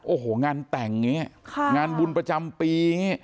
โอ้โหงานแต่งอย่างนี้งานบุญประจำปี